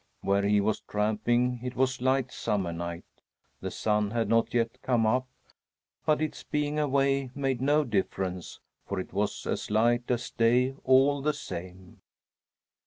Where he was tramping it was light summer night. The sun had not yet come up, but its being away made no difference, for it was as light as day all the same.